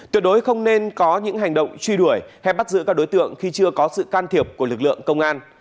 tuyệt đối không nên có những hành động truy đuổi hay bắt giữ các đối tượng khi chưa có sự can thiệp của lực lượng công an